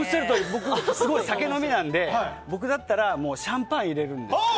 僕、酒飲みなので僕だったらシャンパン入れるんです。